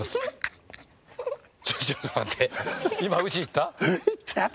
ちょっと待って。